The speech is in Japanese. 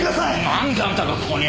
なんであんたがここに！